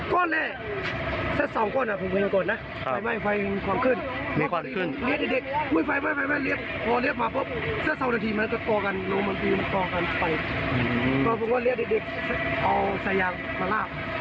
ก็ยืนกองกันไปพวกเราเรียกเด็กเอาสายยางมาลาบ